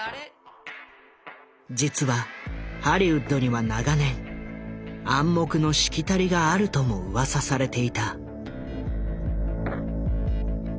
実はハリウッドには長年暗黙のしきたりがあるともうわさされていた。